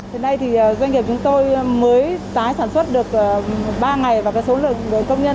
hiện nay thì doanh nghiệp chúng tôi mới tái sản xuất được ba ngày